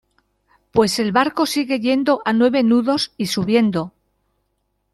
pues el barco sigue yendo a nueve nudos y subiendo.